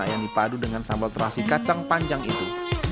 yang dipadu dengan sambal terasi kacang panjang itu